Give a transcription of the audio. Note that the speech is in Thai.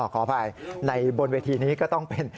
ขออภัยในบนเวทีนี้ก็ต้องเป็น